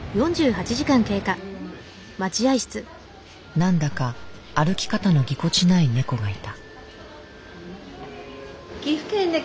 何だか歩き方のぎこちない猫がいた。